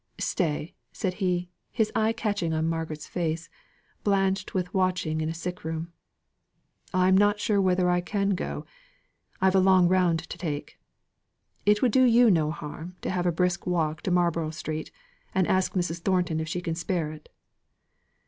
Stay," said he, his eye catching on Margaret's face, blanched with watching in a sick room, "I'm not sure whether I can go; I've a long round to take. It would do you no harm to have a brisk walk to Marlborough Street, and ask Mrs. Thornton if she can spare it."